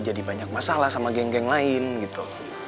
jadi banyak masalah sama geng geng lain gitu